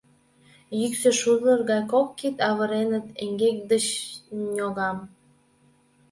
Йӱксӧ шулдыр гай кок кид авыреныт эҥгек деч ньогам.